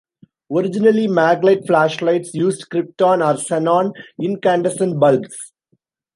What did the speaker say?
Originally Maglite flashlights used krypton or xenon incandescent bulbs.